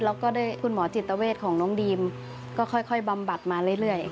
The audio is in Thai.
แล้วก็ได้คุณหมอจิตเวทของน้องดีมก็ค่อยบำบัดมาเรื่อย